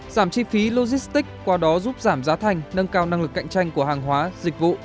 giảm chi phí logistics qua đó giúp giảm giá thành nâng cao năng lực cạnh tranh của hàng hóa dịch vụ